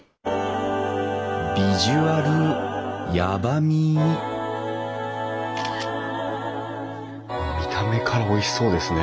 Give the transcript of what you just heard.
ビジュアルやばみ見た目からおいしそうですね。